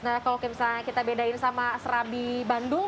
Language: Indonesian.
nah kalau misalnya kita bedain sama serabi bandung